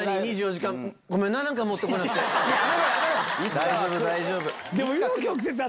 大丈夫大丈夫。